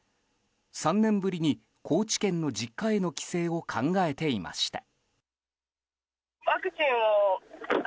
３年ぶりに高知県の実家への帰省を考えていました。